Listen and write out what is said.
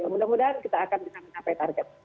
mudah mudahan kita akan bisa mencapai target